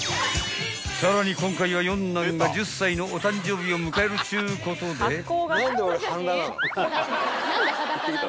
［さらに今回は四男が１０歳のお誕生日を迎えるっちゅうことで］